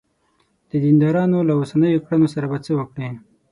د دیندارانو له اوسنیو کړنو سره به څه وکړې.